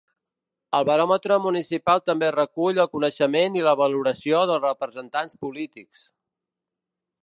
El baròmetre municipal també recull el coneixement i la valoració dels representants polítics.